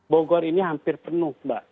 bogor ini hampir penuh mbak